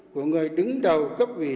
của người đứng đầu cấp quỷ